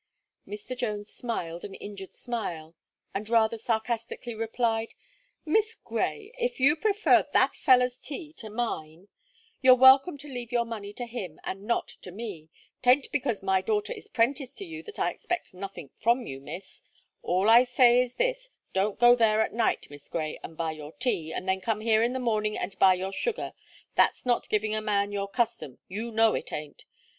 Mr. Jones smiled an injured smile, and rather sarcastically replied: "Miss Gray, if you prefer that feller's tea to mine, you're welcome to leave your money to him, and not to me. 'Tain't because my daughter is prenticed to you that I expect nothink from you, Miss. All I say is this: don't go there at night, Miss Gray, and buy your tea, and then come here in the morning and buy your sugar. That's not giving a man your custom, you know it ain't.